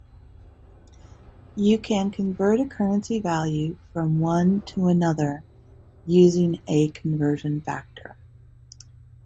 You can convert a currency value from one to another using a conversion factor.